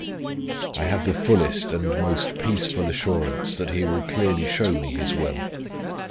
I have the fullest and most peaceful assurance, that He will clearly show me His will.